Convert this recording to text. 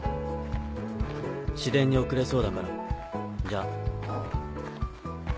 市電に遅れそうだからじゃあ。